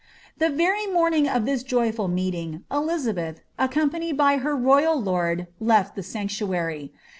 ''* The very morning of this joyful meeting, Elizabeth, accompanied by her roy^l lord, leA the Sanctuary.